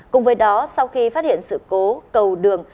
cùng với đó sau khi phát hiện sự cố cầu đường